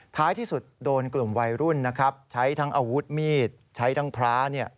ท้ายที่สุดโดนกลุ่มวัยรุ่นนะครับใช้ทั้งอาวุธมีดใช้ทั้งพระ